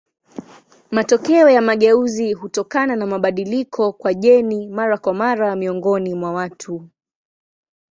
Matokeo ya mageuzi hutokana na mabadiliko kwa jeni mara kwa mara miongoni mwa watu.